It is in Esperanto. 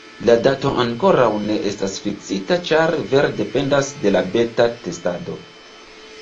La dato ankoraŭ ne estas fiksita ĉar vere dependas de la beta testado